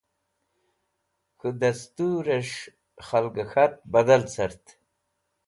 K̃hũ dẽstũrẽs̃h khal k̃hat badal cart.